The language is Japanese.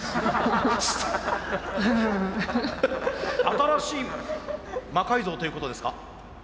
新しい魔改造ということですか？